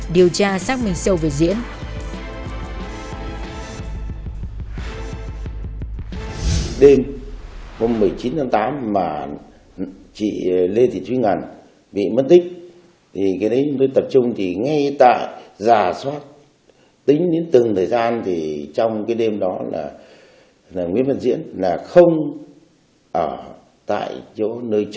điều tra xác minh sâu về diễn